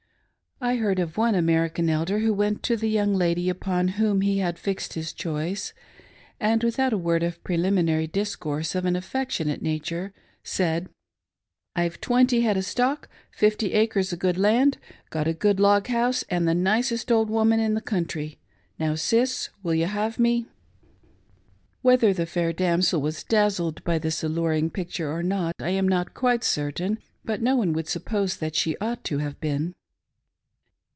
I heard of one American Elder who went to the young lady upon whom he had fixed his choice, and without a word of preliminary discourse of an affectionate nature, said :" I've twenty head o' stock, fifty acres o' good land ; got a good log house, an' the nicest ole 'oman in the country !— Now, sis, will you have me ?" Whether the fair damsel was dazzled by this alluring picture or not, I am not quite certain, but one would suppose that she ought to have been.